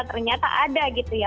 ternyata ada gitu ya